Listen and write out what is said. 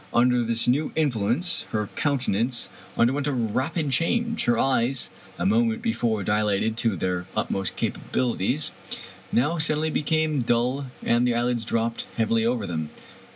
Under this new influence her countenance under went a rapid change. Her eyes, a moment before dilated to their utmost capabiHties, now suddenly became dull, and the eyelids dropped heavily over them.